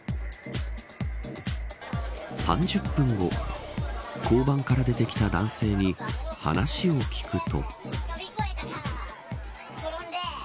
３０分後交番から出てきた男性に話を聞くと。